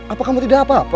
apa kamu tidak apa apa